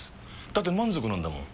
だって満足なんだもん。